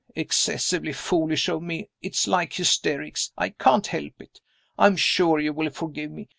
Excessively foolish of me. It's like hysterics, I can't help it; I'm sure you will forgive me.